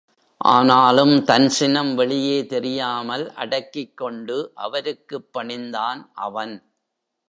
ஆனாலும், தன் சினம் வெளியே தெரியாமல் அடக்கிக் கொண்டு அவருக்குப் பணிந்தான் அவன்.